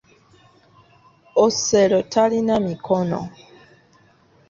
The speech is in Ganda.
Osero talina mikono.